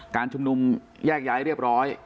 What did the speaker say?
การชุมนุมแยกย้ายเรียบร้อย